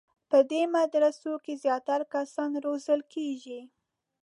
په دې مدرسو کې زیات کسان روزل کېږي.